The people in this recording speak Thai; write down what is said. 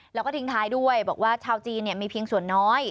แล้วก็ทิ้งท้ายด้วยบอกว่าชาวจีนมีเพียงส่วนน้อย